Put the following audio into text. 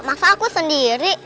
masa aku sendiri